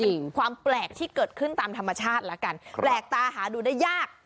ความแปลกที่เกิดขึ้นตามธรรมชาติแล้วกันแปลกตาหาดูได้ยาก